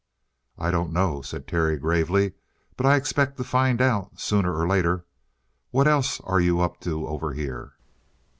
"I don't know," said Terry gravely. "But I expect to find out sooner or later. What else are you up to over here?"